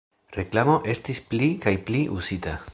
Reklamo estis pli kaj pli uzita.